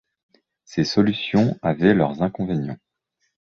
Ces solutions avaient leurs inconvénients.